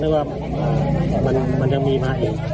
แต่ว่าทั้งนี้มันมันกระจายเป็นเยอะแล้วเราก็ต้องจำเป็นต้องทำคิดที่แจกด้วย